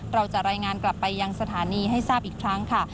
เราจะรายงานกลับไปยังสถานีให้ทราบอีกครั้งค่ะ